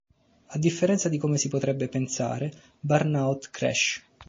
A differenza di come si potrebbe pensare, "Burnout Crash!